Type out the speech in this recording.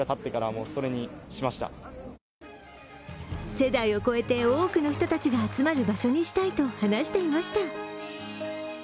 世代を超えて多くの人たちが集まる場所にしたいと話していました。